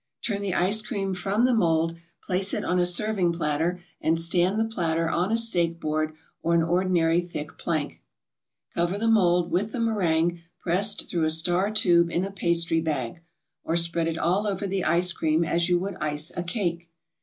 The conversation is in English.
Turn the ice cream from the mold, place it on a serving platter, and stand the platter on a steak board or an ordinary thick plank. Cover the mold with the meringue pressed through a star tube in a pastry bag, or spread it all over the ice cream as you would ice a cake.